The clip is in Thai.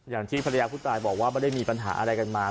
อย่างที่ภรรยาผู้ตายบอกว่าไม่ได้มีปัญหาอะไรกันมา